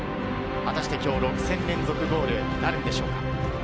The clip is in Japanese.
果たして今日、６戦連続ゴールなるんでしょうか。